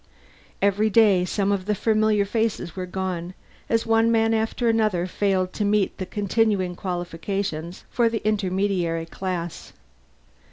Every day, some of the familiar faces were gone, as one man after another failed to meet the continuing qualifications for the intermediary class.